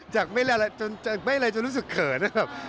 จากไม่ได้อะไรจนรู้สึกเขิน